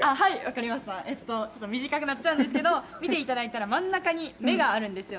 はい、分かりました短くなっちゃうんですけど見ていただいたら真ん中に目があるんですよ。